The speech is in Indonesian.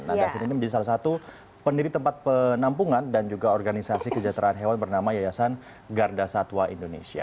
nah david ini menjadi salah satu pendiri tempat penampungan dan juga organisasi kejateraan hewan bernama yayasan garda satwa indonesia